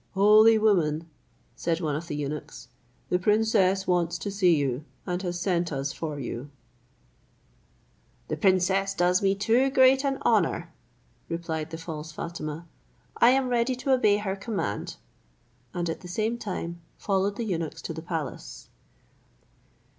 "Holy woman," said one of the eunuchs, "the princess wants to see you, and has sent us for you." "The princess does me too great an honour," replied the false Fatima; "I am ready to obey her command," and at the same time followed the eunuchs to the palace.